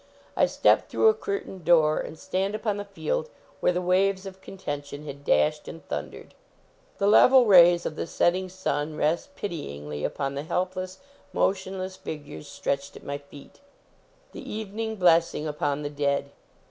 I step through a curtained door and stand upon the held where the waves of con tention had dashed and thundered. The level rays of the setting sun rest pity ingly u P on tnc nclplcss, motionless figures t retched at my feet the evening blessing upon the dead.